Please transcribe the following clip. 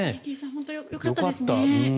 本当によかったですね。